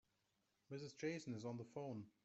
Mrs. Jason is on the phone.